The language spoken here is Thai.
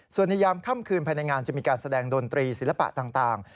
ส่วนในยามค่ำคืนภายในงานจะมีการแสดงดนตรีศิลปะต่าง